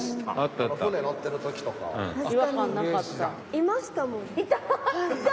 いましたもん。